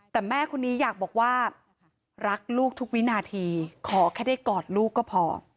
แต่แม่คนนี้อยากบอกว่ารักลูกทุกวินาทีขอแค่ได้กอดลูกก็พอ